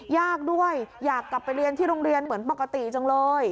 ยากด้วยอยากกลับไปเรียนที่โรงเรียนเหมือนปกติจังเลย